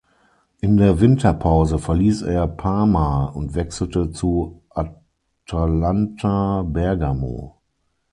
In der Winterpause verließ er Parma und wechselte zu Atalanta Bergamo.